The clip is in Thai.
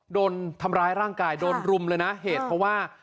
โดนทำร้ายร่างกายโดนรุมเลยนะเหตุเพราะว่า